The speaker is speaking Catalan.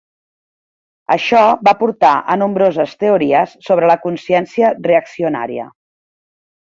Això va portar a nombroses teories sobre la consciència reaccionària.